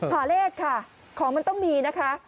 หาเลขค่ะของมันต้องมีนะคะ